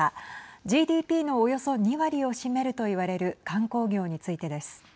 ＧＤＰのおよそ２割を占めると言われる観光業についてです。